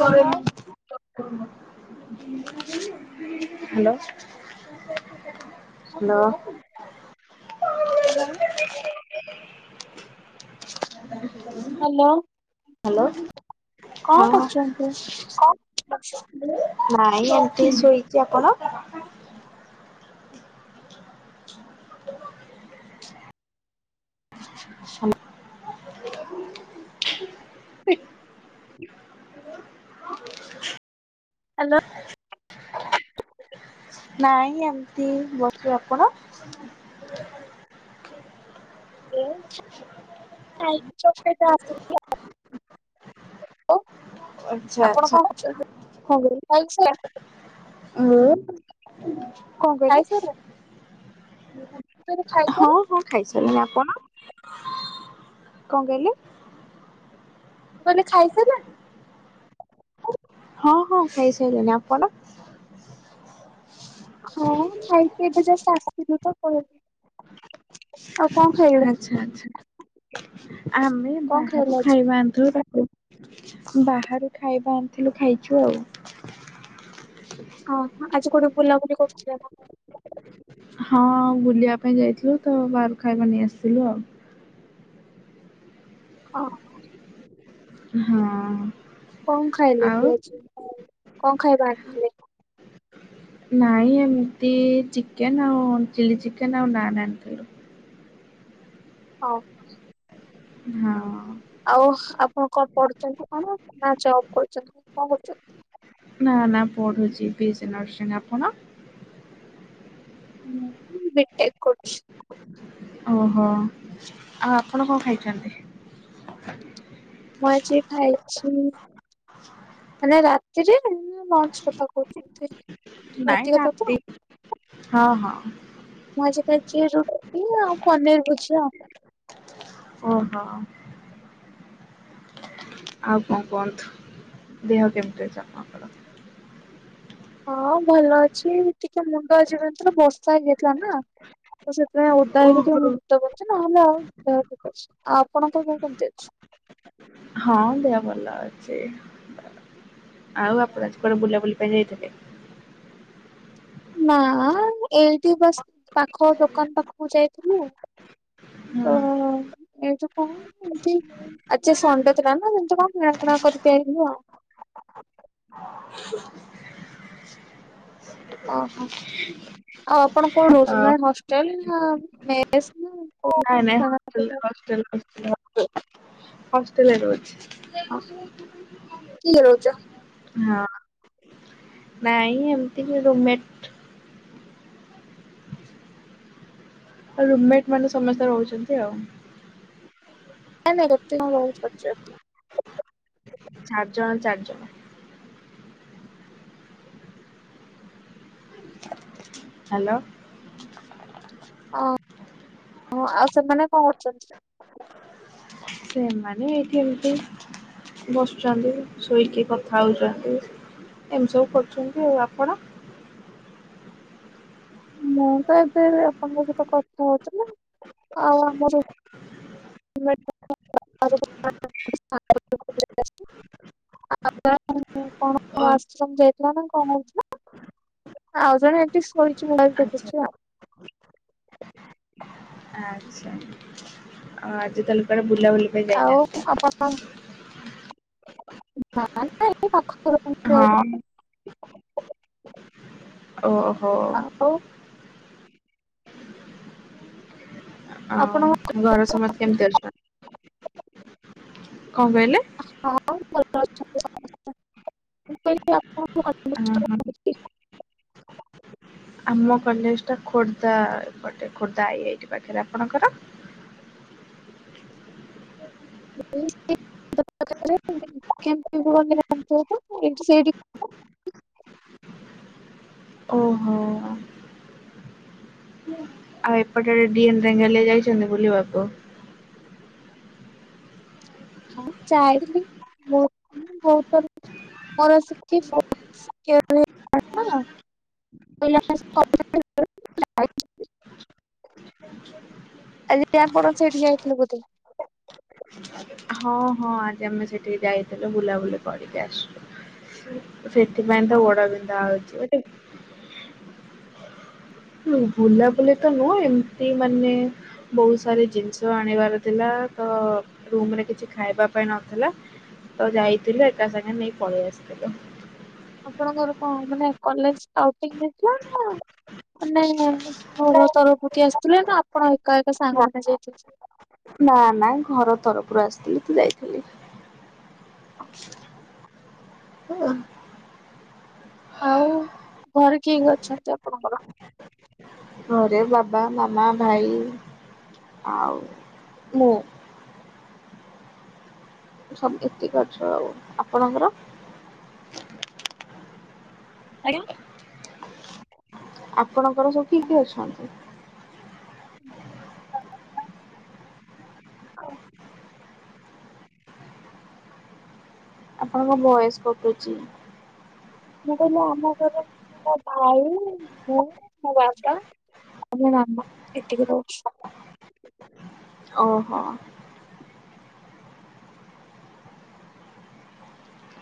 Hello hello. Hello. Hello. [inaudible] Hello. Hello ହଁ କରୁଛନ୍ତି? କଣ ନାଇଁ ଏମିତି ଶୋଇଛି ଆପଣ? [inaudible] [inaudible] [inaudible] ହ୍ୟାଲୋ। ନାଇଁ ଏମିତି ବସିଚି ଆପଣ? [unintelligible] ଆଉ ଆଛା ଆପଣ ଆଚ୍ଛା କରୁଛନ୍ତି? କଣ କହିଲେ ଖାଇସାରିଲେଣି ମୁଁ କଣ କହିଲେ ଖାଇସାରିଲେଣି ମୁଁ କହିଲି ଖାଇସାରିଲେଣି ହଁ ହଁ ଖାଇସାରିଲେଣି ଆପଣ? କଣ କହିଲେ? ମୁଁ କହିଲି ଖାଇସାଇଲେଣି? ହଁ ହଁ ଖାଇସାଇଲୁଣି। ଆପଣ? ହଁ ଖାଇକି ଏବେ ଯଷ୍ଟ୍ ଆସିଥିଲୁ ତ ଆଉ କଣ ଖାଇଲେ ଆଚ୍ଛା ଅଚ୍ଛା ଆମେ କଣ ଖାଇଲେ ବାହାରୁ ଆଜି? ଖାଇବା ଆଣିଥିଲୁ ତାକୁ ବାହାରୁ ଖାଇବା ଆଣିଥିଲୁ ଖାଇଚୁ ଆଉ। ଓହୋ ଆଜି କୋଉଠି ବୁଲାବୁଲି କରୁଥିଲେ ଆପଣ? ହଁ ବୁଲିବା ପାଇଁ ଯାଇଥିଲୁ ତ ବାହାରୁ ଖାଇବା ନେଇ ଆସିଥିଲୁ ଆଉ। ଓହୋ। ହଁ ଅଁ। କଣ ଖାଇଲେ କି ଆଜି କଣ ଖାଇବା ଆଣିଥିଲେ? ନାଇଁ ଏମିତି ଚିକେନ୍ ଆଉ ଚିଲ୍ଲି ଚିକେନ୍ ଆଉ ନାନ୍ ଆଣିଥିଲୁ। ହ। ହଁ। ଆଉ ଆପଣ କଣ ପଢୁଛନ୍ତି କଣ ନା ଜବ୍ କରୁଛନ୍ତି କଣ କରୁଛନ୍ତି? ନା ନା ପଢୁଛି ବି ଏସ୍ ସି ନର୍ସିଙ୍ଗ୍। ଆପଣ? ମୁଁ ବି ଟେକ କରୁଛି। ଓହୋ! ଆଉ ଆପଣ କଣ ଖାଇଛନ୍ତି? ମୁଁ ଆଜି ଖାଇଛି ମାନେ ରାତିରେ ନା ଲଞ୍ଚ୍ କଥା କହୁଛନ୍ତି? ରାତି ନାଇଁ କଥା ତ? [unintelligible] ହଁ ହଁ। ମୁଁ ଆଜି ଖାଇଚି ରୁଟି ଆଉ ପନିର୍ ଭୁଜିଆ। ଓହୋ। ଆଉ କଣ କୁହନ୍ତୁ ଦେହ କେମିତି ଅଛି ଆପଣ ଙ୍କ ର? ହଁ ଭଲ ଅଛି ଟିକେ ମୁଣ୍ଡ ଆଜି ବିନ୍ଧୁ ଥିଲା ତ ବର୍ଷା ହେଇଯାଇଥିଲା ନା। ତ ସେଥିପାଇଁ ଆଉ ଓଦା ହେଇଯାଚି ଓହୋ। ଆଉ। ମୁଣ୍ଡ ବିନ୍ଧୁଚିନା ଆଉ ଆଉ ଦେହ ଠିକ୍ ଅଛି ଆଉ ଆପଣଙ୍କ ଦେହ କେମିତି ଅଛି? ହଁ ଦେହ ଭଲ ଅଛି ଆଉ ଆପଣ ଆଜି କୁଆଡେ ବୁଲାବୁଲି ପାଇଁ ଯାଇଥିଲେ? ନା ଏଇଠି ବସ୍ ପାଖ ଦୋକାନ୍ ପାଖକୁ ଯାଇଥିଲୁ। ତ ହୁଁ ଏଇତ ପାଇଁ ଏମତି ଆଜି ସଣ୍ଡେ ଥିଲା ନା ଏମିତି କଣ କିଣାକିଣା କରିକି ଆଇିଲୁ ଆଉ। [unintelligible] ଓହୋ ଆଉ ଆପଣ କଣ ଅ, ରହୁଛନ୍ତି ନା ହଷ୍ଟେଲ ନା ମେସ୍ ନା ନାଇଁ ନାଇଁ ହଷ୍ଟେଲ୍ ହଷ୍ଟେଲ୍ ହଷ୍ଟେଲ୍ ହଷ୍ଟେଲ୍ ରେ ରହୁଚି। ହସ୍ କିଏ କିଏ ରହୁଚ? ହଁ। ନାଇଁ ଏମିତି କି ରୁମ୍ମେଟ୍ ଆଉ ରୁମ୍ମେଟ୍ ମାନେ ସମସ୍ତେ ରହୁଛନ୍ତି ଆଉ। ନାଇଁ ନାଇଁ ଗୋଟେ କଣ୍ [unintelligible] ହଉଚି ପଚାର୍ଚି। ଚାର୍ ଜଣ ଚାର୍ ଜଣ। ହାଲୋ। ହଁ ହଁ ଆଉ ସେମାନେ କଣ କରୁଚନ୍ନ୍ତି? ସେମାନେ ଏଇଠି ଏମିତି ବସ୍ଛନ୍ତି ଶୋଇକି କଥା ହଉନ୍ତି। ଏମତି ସବୁ କରୁଚନ୍ତି ଆଉ ଆପଣ? ମୁଁ ତ ଏବେ ଆପଣଙ୍କ ସହିତ କଥା ହଉ ଥିଲି ଆଉ ଆମର [unintelligible] ଆ କ [unintelligible] ଣ ଆଶ୍ରମ ଯାଇଥିଲା ଓ ନା କଣ ହେଉଥିଲା? ଆଉ ଜଣେ ଏଟି କରିଚି ମୋବାଇଲ ଆଚ୍ଛା ଦେଖୁଚି ଆଉ। ହୁଁ। ଆଚ୍ଛା ଆଉ ତାହାଲେ କୁଆଡେ ବୁଲା ବୁଲି ଆଉ ଆପଣ [unintelligible] ହଁ। ଓହୋ। ଆଉ ଆପଣ ଆଉ ଘର ସମସ୍ତେ କେମିତି ଅଛନ୍ତି? କଣ କହିଲେ? ହଁ ଭଲ ଅଛନ୍ତି ସ [unintelligible] ମସ୍ତେ ମୁଁ କହିଲି ଆପଣ ହଁ ହଁ। ଆମ କଲେଜ ଟା ଖୋର୍ଦ୍ଧାପଟେ ଖୋର୍ଦ୍ଧା ଏଇଟି ପାଖରେ ଆପଣଙ୍କର? [unintelligible] ଓହୋ। ଆଉ ଏପଟେ ଡିଏନ୍ ଢେଙ୍ଗାଲିଆ ଯାଇଛନ୍ତି ବୁଲିିବାବୁ? ହଁ ମୁଁ ଯାଇଥିଲି ବହୁତ ବହୁତ ଥର। ମୋର ସେଠି [unintelligible] [unintelligible] ଆଜି ଆପଣ ସେଇଠି ଯାଇଥିଲେ ବୋଧେ? ହଁ। ହଁ ଆଜି ଆମେ ସେଠିକି ଯାଇଥିଲୁ ବୁଲାବୁଲି କରିକି ଆସିଲୁ। ସେଥିପାଇଁତ ଗୋଡ଼ ବିନ୍ଧା ହଉଚି ଗୋଟେ ହୁଁ ବୁଲାବୁଲିତ ନୁହଁ ଏମିତି ମାନେ ବହୁ ସାରି ଜିନିଷ ଆଣିବାର ଥିଲା ତରୁମରେ କିଛି ଖାଇବା ପାଇଁ ନଥିଲା ତ ଯାଇଥିଲୁ ଏକା ସାଙ୍ଗେ ନେଇ ପଳେଇ ଆସିଥିଲୁ। ଆପଣଙ୍କର କଣ ମାନେ କଲେଜ୍ ୱେଟିଙ୍ଗରେ ଥିଲାନା ମାନେ ଘର ତରଫରୁ କିଏ ଆସିଥିଲେ ନା ଆପଣ ଏକା ଏକା ନା ସାଙ୍ଗମାନେ ଯାଇଥିଲେ? ନା ନା ଘର ତରଫରୁ ଆସିଥିଲି ତ ଯାଇଥିଲି। [inaudible] ହଁ। ଆଉ ଘରେ କିଏ କିଏ ଅଛନ୍ତି ଆପଣଙ୍କର? ଘରେ ବାବା ମାମା ଭାଇ ଆଉ ମୁଁ। ସ ଏତିକି ଅଛୁ ଆଉ ଆପଣଙ୍କର? ଆଜ୍ଞା। ଆପଣଙ୍କର ସବୁ କିଏ କିଏ ଅଛନ୍ତି? [inaudible] [unintelligible] ଆପଣଙ୍କ ଭଏସ୍ କଟୁଚି। ମୁଁ କହିଲି ଆମ ଘରେ ମୋ ଭାଇ ମୁଁ ମୋ ବାପା ଆଉ ମୋ ମାମା ଏତିକି ରହୁଛୁ। ଓହୋ।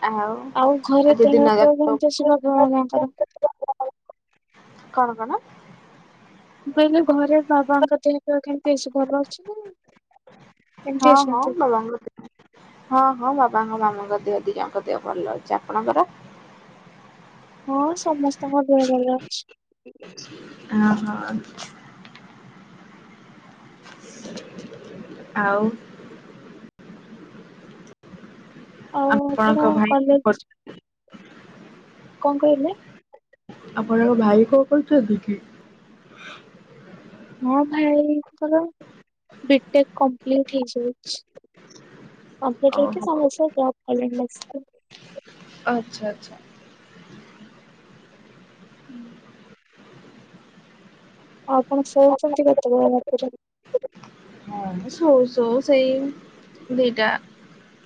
ଆଉ ଆଉ ଘରେ ଆଜି ଦିନ ତେଣ ଯାକ [unintelligible] ଯେମିତି ସେବା ଆଙ୍କର କଣ କଣ? ମୁଁ କହିଲି ଘରେ ବାବାଙ୍କ ଦେହ ପେହ କେମିତି ଅଛି ଭଲ ଅଛିନା? ହଁ ହଁ ବାବାଙ୍କ ଦେ ହଁ ହଁ ବାବାଙ୍କ ମାମାଙ୍କ ଦେହ ଦି ଜଣଙ୍କ ଦେହ ଭଲ ଅଛି ଆପଣଙ୍କର? ହଁ ସମସ୍ତଙ୍କ ଦେହ ଭଲ ଅଛି। [inaudible] ଓହୋ ଛା ଆଉ ଆଉ ଆପଣଙ୍କ ଆପଣ ଭାଇ କଲେଜ୍ କଁ କହିଲେ? ଆପଣଙ୍କ ଭାଇ କଣ କରୁଚନ୍ତିକି? ମୋ ଭାଇଙ୍କର ବିଟେକ୍ କଂପ୍ଲିଟ୍ ହେଇଯାଇଛି। କଂପ୍ଲିଟ୍ ହେଇକି ଓହୋ ସେଆଉ ଏଇଥର ଜବ୍ ପାଇଲେଣି ଆସିକି। ଆଚ୍ଛା ଆଚ୍ଛା। ହୁଁ। ଆ ଆପଣ ଶୋଉଚନ୍ତି କେତେବେଳେ ରାତିରେ? ଆମେ ଶୋଉ ଶୋଉ ସେଇ ଦିଇଟା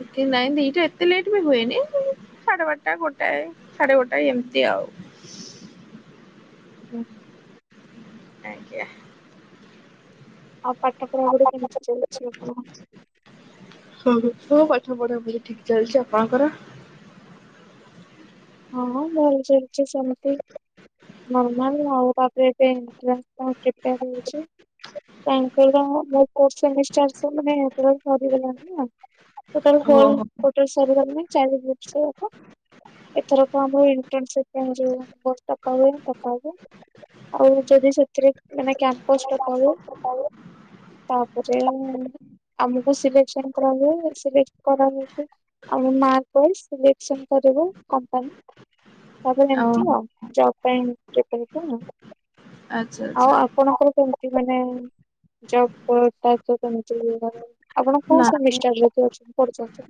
ଏତେ ନାଇଁ ଦିଟା ଏତେ ଲେଟ୍ ବି ହୁଏନି ସାଢେ ବାରଟା ଗୋଟାଏ ସାଢେ ଗୋଟାଏ ଏମିତି ଆଉ। ହୁଁ। ଆଜ୍ଞା। ଆଉ ପାଠ ପଢ଼ାପଢ଼ି କେମିତି ଚାଲିଚି ଆପଣଙ୍କର? ହଁ ମୋ ପାଠ ପଢ଼ାପଢ଼ି ଠିକ୍ ଚାଲିଚି ଆପଣଙ୍କର? ହଁ, ଭଲ ଚାଲିଛି ସେମିତି। ନର୍ମାଲ ଆଉ ତାପରେ ଏବେ ଏନଟ୍ରାନ୍ସ ପାଇଁ ପ୍ରିପେୟାର ହୋଉଛି। କାଇଁକିନା ମୋ ମୋର ଫୋର୍ଥ ସେମିଷ୍ଟାରସ ମାନେ ଏବେର ସରିଗଲା ନା। ଟୋଟାଲ୍ ଓହୋ ହୋଲ୍ ଟୋଟାଲ୍ [unintelligible] ଏଥରକ ଆମେ ଇଣ୍ଟର୍ନସିପ ପାଇଁ ଯିବୁ। [unintelligible] ପକାଇବୁ ଆଉ ଯଦି ସେଥିରେ ମାନେ କ୍ୟାମ୍ପସ ଡକା ହୁଏ। ତାପରେ ଆମକୁ ସିଲେକ୍ସନ କରିବେ, ସିଲେକ୍ଟ କରାହେଇକି ଆମ ମାର୍କ ୱାଇଜ୍ ସିଲେକସନ୍ କରିବ କମ୍ପାନୀ। ତାପରେ ଏମିତି ଓହୋ ଆଉ ଜବ୍ ପାଇଁ [unintelligible] ଆଚ୍ଛା ଆଚ୍ଛା ଆଉ ଆପଣଙ୍କର କେମିତି? କେମିତି ମାନେ ଜବ୍ ପାଉଛ କେମିତି ମାନେ? ଆପଣ କୋଉ ନାଇଁ ସେମିଷ୍ଟାରରେ ପଢୁଛନ୍ତି?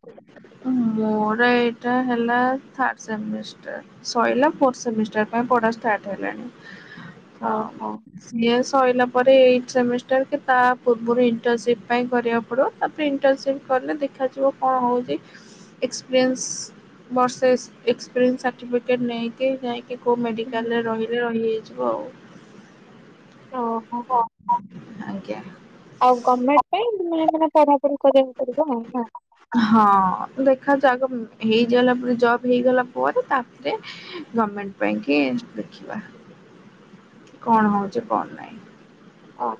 ମୋର ଏଇଟା ହେଲା ଥାର୍ଡ ସେମିଷ୍ଟାର। ସଇଲା ଫୋର୍ଥ ସେମିଷ୍ଟାର ପାଇଁ ପଢ଼ା ଷ୍ଟାର୍ଟ ହେଲାଣି। ହଁ। ଓହୋ ସିଏ ସଇଲା ପରେ ଏଇଟ୍ ସେମିଷ୍ଟାର କି ତା ପୂର୍ବରୁ ଇଣ୍ଟର୍ନସିପ୍ ପାଇଁ କରିବାକୁ ପଡିବ। ତାପରେ ଇଣ୍ଟର୍ନସିପ୍ କଲେ ଦେଖାଯିବ କଣ ହଉଛି। ଏକ୍ସପିରିଏନ୍ସ ବର୍ଷେ ଏକ୍ସପିରିଏନ୍ସ ସାର୍ଟିଫିକେଟ୍ ନେଇକି ଯାଇଁକି କୋଉ ମେଡ଼ିକାଲରେ ରହିଲେ ରହିହେଇଯିବ ଆଉ। ଓହୋ। ଆଜ୍ଞା। ଆଉ ଗର୍ମେଣ୍ଟ ପାଇଁ ମାନେ ମାନେ ପଢାପଢି କରିଆକୁ ପଡିବ ଆଉ। ହଁ ଦେଖାଯାଉ ଆଗ ହେଇଗଲା ପରେ ଜବ୍ ହେଇଗଲା ପରେ, ତାପରେ ଗର୍ମେଣ୍ଟ ପାଇଁକି ଦେଖିବା କଣ ହଉଛି କଣ ନାହିଁ। ହଁ।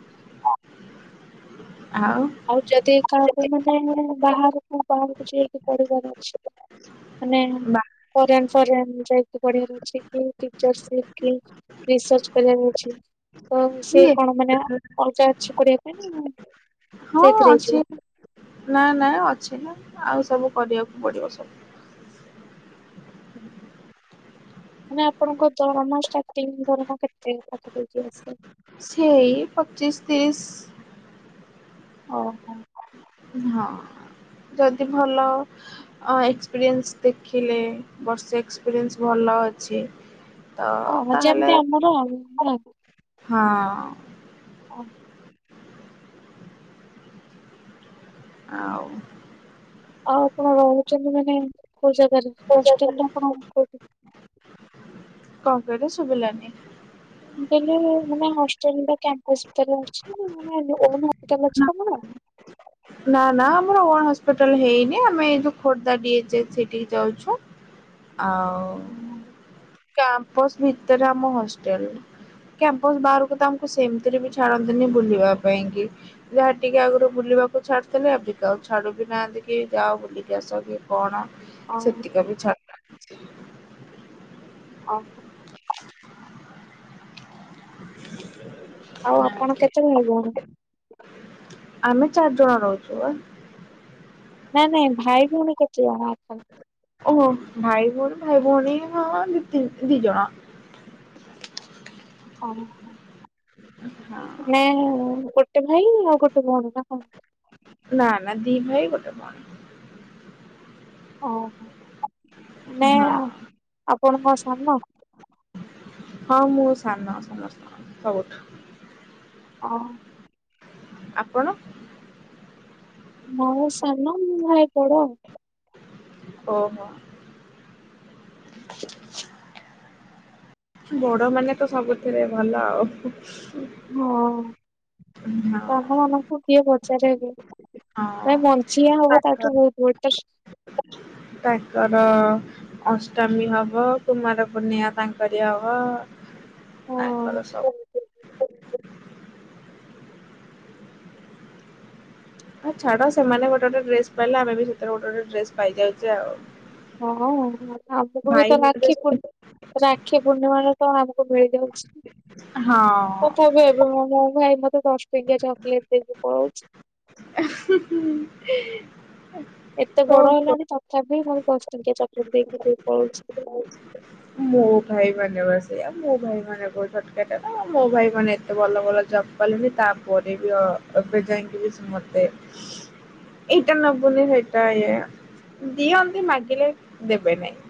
ଆଉ। ଆଉ ଯଦି କାହାକୁ ମାନେ ବାହାରକୁ ବାହାରକୁ ଯାଇକି ପଢିବାର ଅଛି। ମାନେ ଫରେନ୍ ଫରେନ୍ ଯାଇକି ପଢ଼ିଆର ଅଛି କି ଟିଚରସିପ୍ କି ରିସର୍ଚ୍ଚ କରିଆର ଅଛି ତ ବାକି ସିଏ କଣ ମାନେ ଅଲଗା ଅଛି ପଢ଼ିଆ ପାଇଁ ନା? ହଁ ସେଇଥିରେ ହେଇଯିବ? ଅଛି, ନାଁ, ନାଁ ଅଛି ନା ଆଉ ସବୁ କରିଆକୁ ପଡିବ ସବୁ। [inaudible] ମାନେ ଆପଣଙ୍କ ଦରମା ଷ୍ଟାର୍ଟିଂ ଦରମା କେତେ ପାଖାପାଖି ଆସେ? ସେଇ ପଚିଶ, ତିରିଶ। ଓହୋ। ହଁ, ଯଦି ଭଲ ଅ ଏକ୍ସପିରିଏନ୍ସ ଦେଖିଲେ ବର୍ଷେ ଏକ୍ସପିରିଏନ୍ସ ଭଲ ଅଛି। ତ ଓହୋ ତାହେଲେ ଯେମିତି ଆମର ଆଉ ନା। ହଁ। ହଁ। ଆଉ ଆଉ ଆପଣ ରହୁଛନ୍ତି ମାନେ କୋଉ ଜାଗାରେ ହଷ୍ଟେଲ ନା କଣ କୋଉଠି? କଣ କହିଲେ ଶୁଭିଲାନି? ମୁଁ କହିଲି ମାନେ ହଷ୍ଟେଲର କ୍ୟାମ୍ପସ୍ ଭିତରେ ରହୁଛନ୍ତି ନା ଓନ୍ ହସ୍ପିଟାଲ୍ ଅଛି ତମର? ନା ନା ଆମର ଓନ୍ ହସ୍ପିଟାଲ ହେଇନି ଆମେ ଏ ଯୋଉ ଖୋର୍ଦ୍ଧା ଡିଏଚ୍ଏଚ୍ ସେଇଠିକି ଯାଉଛୁ। ଆଉ, କ୍ୟାମ୍ପସ୍ ଭିତରେ ଆମ ହଷ୍ଟେଲ। କ୍ୟାମ୍ପସ୍ ବାହାରକୁ ତ ଆମକୁ ସେମିତିରେ ବି ଛାଡନ୍ତିନି ବୁଲିବା ପାଇଁ କି। ଯାହା ଟିକେ ଆଗରୁ ବୁଲିବାକୁ ଛାଡୁଥିଲେ ଅବିକା ଆଉ ଛାଡୁ ବିି ନାହାନ୍ତି କି ଯାଅ ବୁଲିକି ଆସ କିି କଣ ଓହୋ ସେତିକ ବି ଛାଡ଼ ଓ। ଆଉ ଆପଣ ଛାଡୁନାହାନ୍ତି। କେତେଟା ଭାଇ ଭଉଣୀ। ଆମେ ଚାରି ଜଣ ରହୁଛୁ ବା। ନା ନାଇଁ ଭାଇ ଭଉଣୀ କେତେ ଜଣ ଆପଣ। ଓହୋ ଭାଇ ଭଉଣୀ ଭାଇ ଭଉଣୀ ହଁ ଦିତିି ଦି ଜଣ। ଓହୋ, ହଁ ନାଇ ଗୋଟେ ଭାଇ ଆଉ ଗୋଟେ ଭଉଣୀ ନା କଣ? ନା ନା ଦି ଭାଇ ଗୋଟେ ଭଉଣୀ। ଓହୋ ମନେ ହଁ। ଆପଣ କଁ ସାନ? ହଁ ମୁଁ ସାନ ସମସ୍ତଙ୍କ ସବୁଠୁ। ଓ। ଆପଣ? ହଁ ସାନ ମୁଁ ଭାଇ ବଡ଼ ଆଉ। ଓହୋ। [inaudible] ବଡ ମାନେ ତ ସବୁଥିରେ ଭଲ ଆଉ। ହଁସାନ ହଁ ମାନଙ୍କୁ କିଏ ପଚାରେ ଆଗେ। ଏ ମଞ୍ଚଆ ହବ ତାଙ୍କର ତାଠୁ ବହୁତ ବହୁତ ତ ତାଙ୍କର ଅଷ୍ଟମୀ ହବ କୁମାର ପୁର୍ଣିମା ତାଙ୍କରି ହବ। ହଁ। ତାଙ୍କର ସବୁ ହଁ ଛାଡ ସେମାନେ ଗୋଟେ ଗୋଟେ ଡ୍ରେସ ପାଇଲେ ଆମେ ବି ସେଥେରେ ଗୋଟେ ଗୋଟେ ଡ୍ରେସ ପାଇ ଯାଉଛେ ଆଉ। ହଁ ଆଗକୁ ଭାଇ ତ ମିଳିଲେ ରାକ୍ଷୀ ପୁଣ ରାକ୍ଷୀ ପୂର୍ଣ୍ଣିମାରେ ତ ଆମକୁ ମିଳିଯାଉଛି। ହଁ। ତଥାପି ଏବେ ମୋ ମୋ ଭାଇ ମତେ ଦଶ ଟିକିଆ ଚକୋଲେଟ ଦେଇକି ପଳଉଛି। ହୁଁ ହୁଁ। ଏତେ ବଡ ହେଲାଣି ତଥାପି ମତେ ଦଶ ଟଙ୍କିଆ ଚକୋଲେଟ୍ ଦେଇକି ପଳୁଛି। ମୋ ଭାଇ ମାନେ ବା ସେଇଆ ମୋ ଭାଇ ମାନେ କଁ ଛୋଟକାଟିଆ ନା ମୋ ଭାଇ ମାନେ ଏତେ ଭଲ ଭଲ ଜବ ପାଇଲେ ବି ତାପରେ ବି ଏବେ ଯାଙ୍କେ ବି ସେ ମତେ। ଏଇଟା ନବୁନି ସେଇଟା ଇଏ ଦିଅନ୍ତି ମାଗିଲେ ଦେବେ ନାଇଁ।